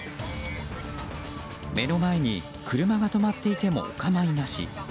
目の前に車が止まっていてもお構いなし。